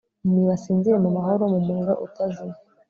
Nibasinzire mumahoro mumuriro utazima